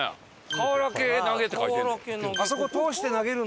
「かわらけ投げ」って書いてるで。